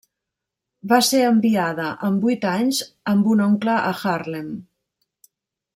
Va ser enviada amb vuit anys amb un oncle a Harlem.